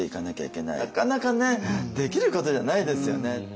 なかなかねできることじゃないですよね。